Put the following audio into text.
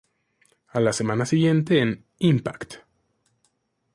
A la semana siguiente en "Impact!